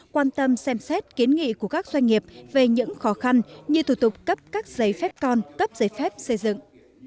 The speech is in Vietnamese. quan tâm xem xét kiến nghị của các doanh nghiệp về những khó khăn như thủ tục cấp các giấy phép con cấp giấy phép xây dựng